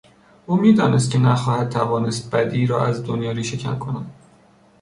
او میدانست که نخواهد توانست بدی را از دنیا ریشهکن کند.